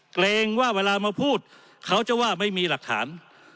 เกรงว่าเวลามาพูดเขาจะว่าไม่มีหลักฐาน